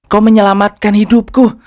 kau menyelamatkan hidupku